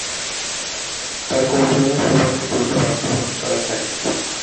তবে কমিশনের সুপারিশ দ্রুত বাস্তবায়ন করা যায়নি।